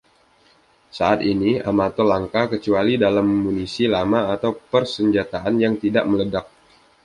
Saat ini, amatol langka, kecuali dalam munisi lama atau persenjataan yang tidak meledak.